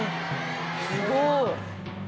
すごい。